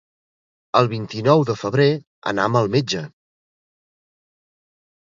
El vint-i-nou de febrer anam al metge.